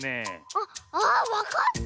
あっああっわかった！